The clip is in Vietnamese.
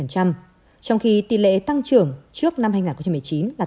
trong khi tỷ lệ tăng trưởng trước năm hai nghìn một mươi chín là